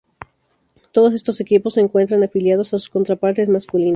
Todos estos equipos se encuentran afiliados a sus contrapartes masculinas.